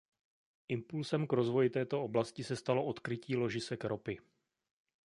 Impulsem k rozvoji této oblasti se stalo odkrytí ložisek ropy.